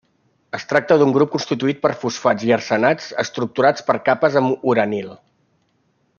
Es tracta d'un grup constituït per fosfats i arsenats estructurats per capes amb uranil.